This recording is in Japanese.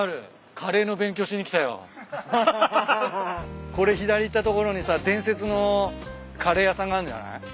カレーの勉強しに来たよ。これ左行った所にさ伝説のカレー屋さんがあんじゃない？